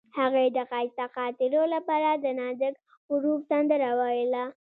هغې د ښایسته خاطرو لپاره د نازک غروب سندره ویله.